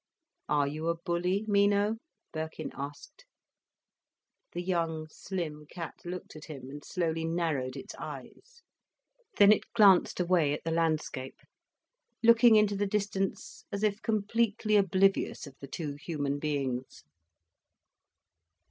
"Are you a bully, Mino?" Birkin asked. The young slim cat looked at him, and slowly narrowed its eyes. Then it glanced away at the landscape, looking into the distance as if completely oblivious of the two human beings.